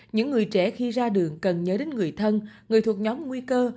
những người trẻ khi ra đường cần nhớ đến người thân người thuộc nhóm nguy cơ